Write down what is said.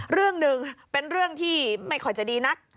เรื่องหนึ่งเป็นเรื่องที่ไม่ค่อยจะดีนัก